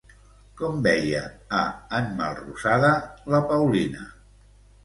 Com veia, a en Melrosada, la Paulina?